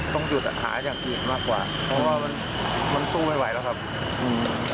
ต้องหยุดอ่ะหาอย่างอื่นมากกว่าเพราะว่ามันมันสู้ไม่ไหวแล้วครับอืม